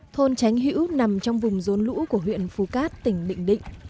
thôn tránh hữu nằm trong vùng rốn lũ của huyện phú cát tỉnh bình định